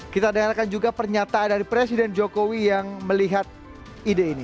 kita dengarkan juga pernyataan dari presiden jokowi yang melihat ide ini